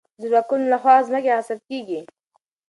د زورواکانو له خوا ځمکې غصب کېږي.